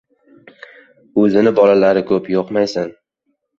Oʻzini bolalari koʻp, yoqmaysan!